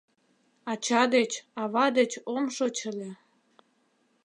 Ача деч, ава деч ом шоч ыле.